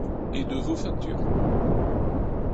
Et de vos factures.